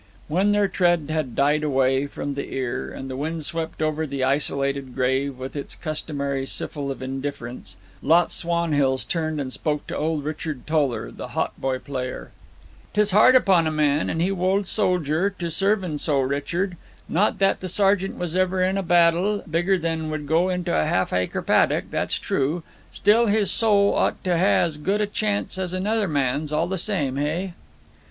When their tread had died away from the ear, and the wind swept over the isolated grave with its customary siffle of indifference, Lot Swanhills turned and spoke to old Richard Toller, the hautboy player. ''Tis hard upon a man, and he a wold sojer, to serve en so, Richard. Not that the sergeant was ever in a battle bigger than would go into a half acre paddock, that's true. Still, his soul ought to hae as good a chance as another man's, all the same, hey?'